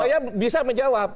saya bisa menjawab